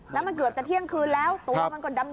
แล้วมันเกือบจะเที่ยงคืนแล้วตัวมันก็ดำ